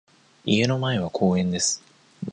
家の前は公園です。